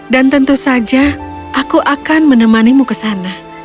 tentu saja aku akan menemanimu ke sana